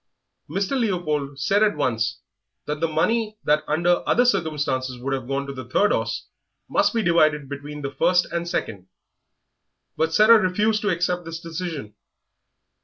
Mr. Leopold said at once that the money that under other circumstances would have gone to the third horse must be divided between the first and second; but Sarah refused to accept this decision.